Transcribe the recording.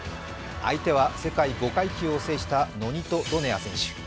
相手は世界５階級を制したノニト・ドネア選手。